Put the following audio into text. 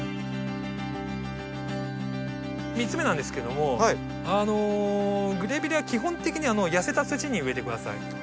３つ目なんですけどもグレビレア基本的にやせた土に植えて下さい。